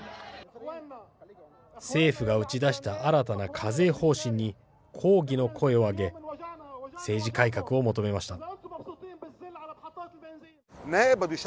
政府が打ち出した新たな課税方針に抗議の声を上げ政治改革を求めました。